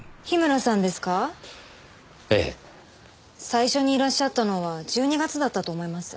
最初にいらっしゃったのは１２月だったと思います。